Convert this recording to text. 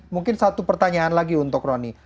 mungkin satu pertanyaan lagi untuk roni